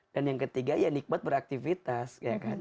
dan yang ketiga ya nikmat beraktivitas